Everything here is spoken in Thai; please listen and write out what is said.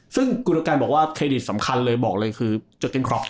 ซึ่งกุลกันบอกว่าเครดิตสำคัญเลยบอกเลยคือจดกินครอป